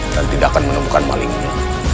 dan tidak akan menemukan malingnya